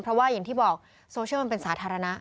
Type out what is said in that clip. เพราะว่าอย่างที่บอกโซเชียลมันเป็นสาธารณะ